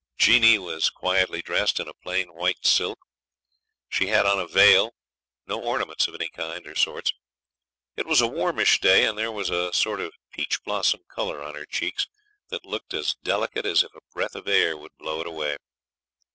Jeanie was quietly dressed in plain white silk. She had on a veil; no ornaments of any kind or sorts. It was a warmish day, and there was a sort of peach blossom colour on her cheeks that looked as delicate as if a breath of air would blow it away.